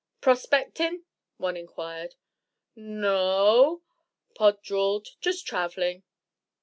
"Prospectin'?" one inquired. "N o o o," Pod drawled; "just traveling."